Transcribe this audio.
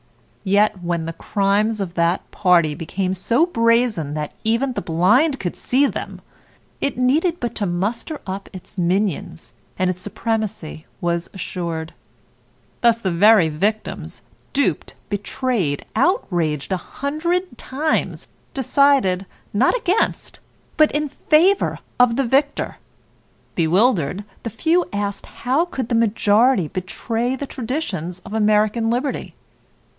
Yet when the crimes of that party became so brazen that even the blind could see them, it needed but to muster up its minions, and its supremacy was assured. Thus the very victims, duped, betrayed, outraged a hundred times, decided, not against, but in favor of the victor. Bewildered, the few asked how could the majority betray the traditions of American liberty?